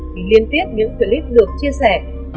khi liên tiếp những clip được chia sẻ